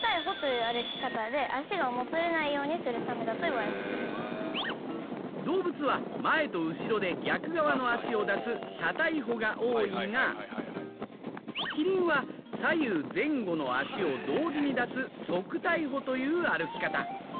あれは動物は前と後ろで逆側の脚を出す斜対歩が多いがキリンは左右前後の脚を同時に出す側対歩という歩き方。